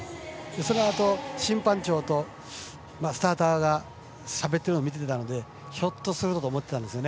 そのあと審判長とスターターがしゃべってるの見てたのでひょっとするとと思ってたんです。